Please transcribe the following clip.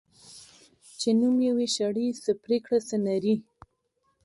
چی نوم یی وی شړي ، څه پریکړه ځه نري .